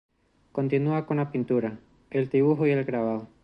Continúa con la pintura, el dibujo y el grabado.